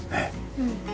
うん。